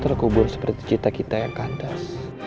terkubur seperti cinta kita yang kandas